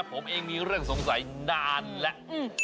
ผมเองมีเรื่องสงสัยนานแล้ว